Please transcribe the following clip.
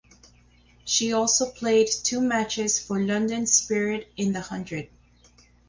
She also played two matches for London Spirit in The Hundred.